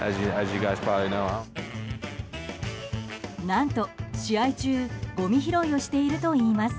何と、試合中ごみ拾いをしているといいます。